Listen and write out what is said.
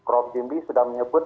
rob jimri sudah menyebut